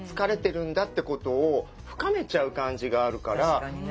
確かにね。